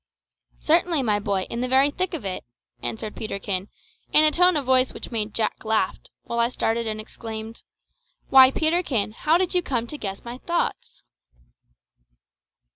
"Certainly, my boy, in the very thick of it," answered Peterkin, in a tone of voice which made Jack laugh, while I started and exclaimed "Why, Peterkin, how did you come to guess my thoughts?"